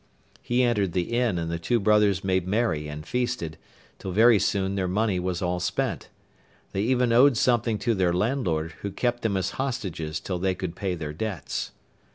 He entered the inn and the two brothers made merry and feasted, till very soon their money was all spent. They even owed something to their landlord, who kept them as hostages till they could pay their debts.